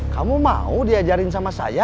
kamu mau diajarin sama saya